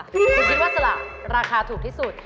คุณคิดว่าสละราคาถูกที่สุด